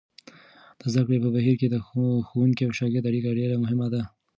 د زده کړې په بهیر کې د ښوونکي او شاګرد اړیکه ډېره مهمه ده.